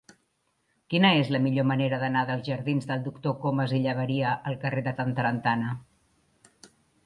Quina és la millor manera d'anar dels jardins del Doctor Comas i Llaberia al carrer d'en Tantarantana?